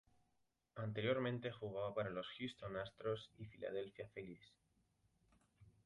Anteriormente jugaba para los Houston Astros y Philadelphia Phillies.